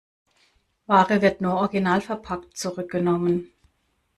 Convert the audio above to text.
Ware wird nur originalverpackt zurückgenommen.